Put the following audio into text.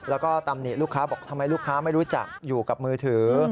แล้วก็ตำหนิลูกค้าบอกทำไมลูกค้าไม่รู้จักอยู่กับมือถือ